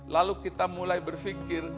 lalu kita mulai berfikir